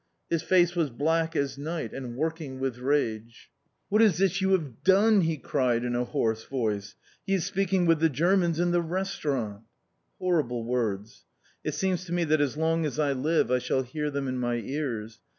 His face was black as night and working with rage. "What is this you have done?" he cried in a hoarse voice. "Il parle avec les allemands dans le restaurant!" Horrible words! It seems to me that as long as I live I shall hear them in my ears.